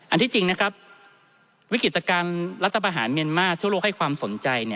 ที่จริงนะครับวิกฤตการณ์รัฐประหารเมียนมาร์ทั่วโลกให้ความสนใจ